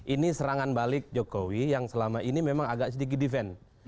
ini serangan balik jokowi yang selama ini memang agak sedikit defense